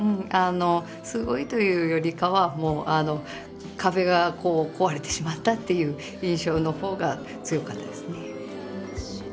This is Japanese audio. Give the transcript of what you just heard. すごいというよりかは壁が壊れてしまったっていう印象の方が強かったですね。